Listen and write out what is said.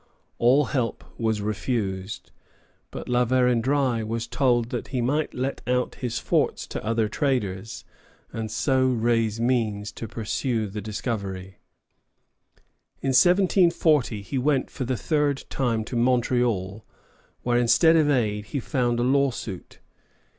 All help was refused, but La Vérendrye was told that he might let out his forts to other traders, and so raise means to pursue the discovery. In 1740 he went for the third time to Montreal, where, instead of aid, he found a lawsuit.